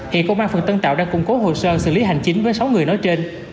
hiện công an phường tân tạo đang củng cố hồ sơ xử lý hành chính với sáu người nói trên